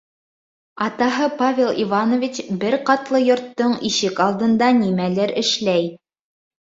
Атаһы Павел Иванович бер ҡатлы йорттоң ишек алдында нимәлер эшләй.